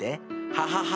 ハハハ。